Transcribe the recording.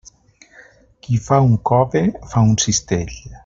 Qui fa un cove, fa un cistell.